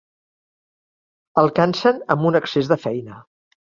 El cansen amb un excés de feina.